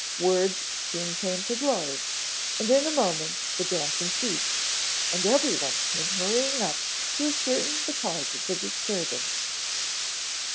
Words soon came to blows, and in a moment the dancing ceased and everyone came hurrying up to ascertain the cause of the disturbance.